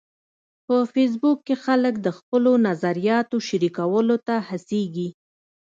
په فېسبوک کې خلک د خپلو نظریاتو شریکولو ته هڅیږي.